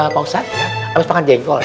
pak ustadz habis makan jengkol ya